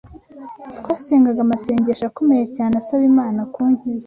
Twasengaga amasengesho akomeye cyane asaba Imana kunkiza